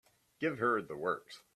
Give her the works.